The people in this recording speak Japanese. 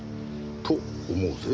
と思うぜ？